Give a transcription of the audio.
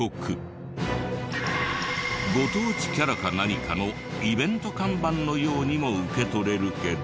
ご当地キャラか何かのイベント看板のようにも受け取れるけど。